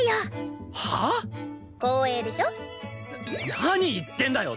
な何言ってんだよ！